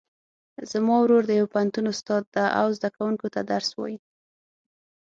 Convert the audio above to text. زما ورور د یو پوهنتون استاد ده او زده کوونکو ته درس وایي